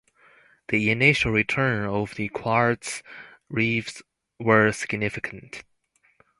The initial returns from the quartz reefs were significant.